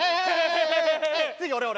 次俺俺俺。